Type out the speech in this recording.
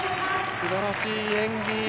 すばらしい演技。